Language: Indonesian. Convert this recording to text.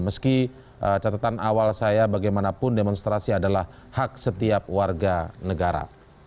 meski catatan awal saya bagaimanapun demonstrasi adalah hak setiap warga negara